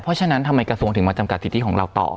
เพราะฉะนั้นทำไมกระทรวงถึงมาจำกัดสิทธิของเราต่อ